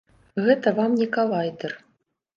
Гэта вам не калайдэр.